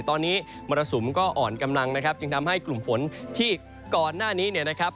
ตอนนี้มรสุมก็อ่อนกำลังนะครับจึงทำให้กลุ่มฝนที่ก่อนหน้านี้เนี่ยนะครับ